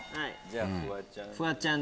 じゃあフワちゃん。